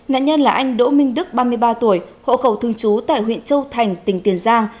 nạn nhân là anh đỗ minh đức ba mươi ba tuổi hộ khẩu thương chú tại huyện châu thành tỉnh tiền giang